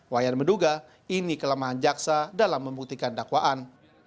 wayan menduga ini kelemahan jaksa dalam membuktikan dakwaan